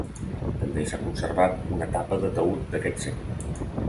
També s'ha conservat una tapa de taüt d'aquest segle.